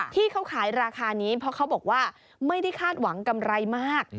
ที่เขาขายราคานี้เพราะเขาบอกว่าไม่ได้คาดหวังกำไรมาก